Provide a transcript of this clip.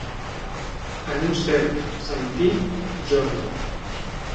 En un cert sentit, jorn.